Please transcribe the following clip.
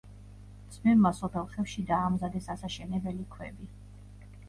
ძმებმა სოფელ ხევში დაამზადეს ასაშენებელი ქვები.